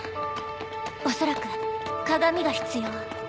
おそらく鏡が必要。